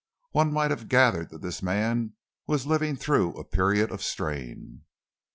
One might have gathered that this man was living through a period of strain.